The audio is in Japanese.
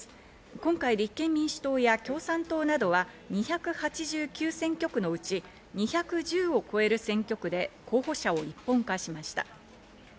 今回、立憲民主党や共産党などは２８９選挙区のうち２１０を超える選挙区で候補者を一本化しました。